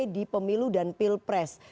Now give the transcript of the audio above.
di pemilu dan pilpres